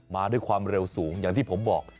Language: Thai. มาด้วยความเร็วสูงอย่างที่ผมบอก